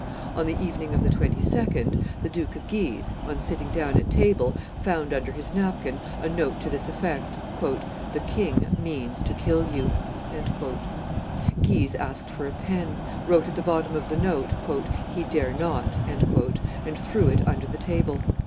On the evening of the 22d, the Duke of Guise, on sitting down at table, found under his napkin a note to this effect: "The king means to kill you." Guise asked for a pen, wrote at the bottom of the note, "He dare not," and threw it under the table.